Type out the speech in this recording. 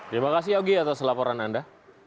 terima kasih yogi atas laporan anda